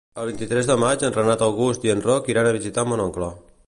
El vint-i-tres de maig en Renat August i en Roc iran a visitar mon oncle.